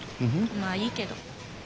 まあいいけど。